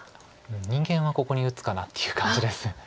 人間はここに打つかなっていう感じです。